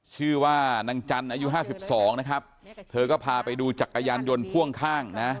ชื่อว่านางจันทร์อายุห้าสิบสองนะครับเธอก็พาไปดูจักรยานยนต์พ่วงข้างนะ